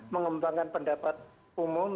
mengembangkan pendapat umum